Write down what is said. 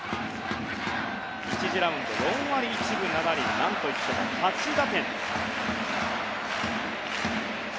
１次ラウンドは４割１分７厘何といっても８打点。